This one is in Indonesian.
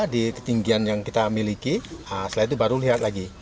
di ketinggian yang kita miliki setelah itu baru lihat lagi